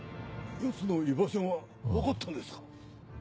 やつの居場所が分かったんですか？